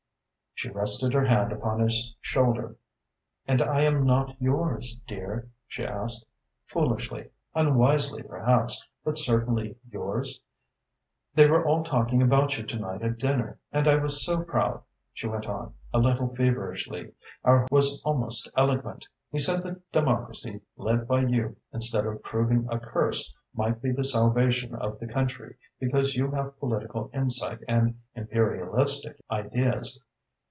She rested her hand upon his shoulder. "And am I not yours, dear," she asked, "foolishly, unwisely perhaps, but certainly yours? They were all talking about you to night at dinner and I was so proud," she went on, a little feverishly. "Our host was almost eloquent. He said that Democracy led by you, instead of proving a curse, might be the salvation of the country, because you have political insight and imperialistic ideas.